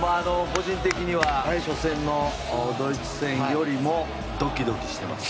個人的には初戦のドイツ戦よりもドキドキしています。